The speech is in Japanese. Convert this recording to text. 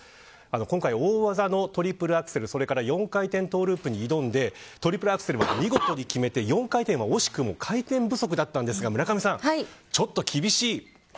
今回、大技のトリプルアクセルそれから４回転トゥループに挑んでトリプルアクセルも見事に決めて４回転は惜しくも回転不足だったんですが村上さん、ちょっと厳しい。